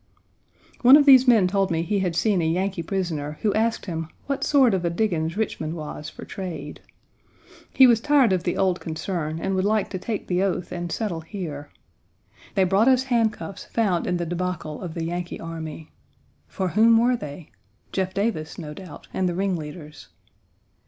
One of these men told me he had seen a Yankee prisoner, who asked him "what sort of a diggins Richmond was for trade." He was tired of the old concern, and would like to take the oath and settle here. They brought us handcuffs found in the débacle of the Yankee army. For whom Page 93 were they? Jeff Davis, no doubt, and the ringleaders.